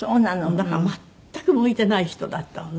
だから全く向いてない人だったのね